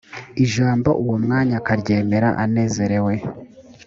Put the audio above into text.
ijambo uwo mwanya akaryemera anezerewe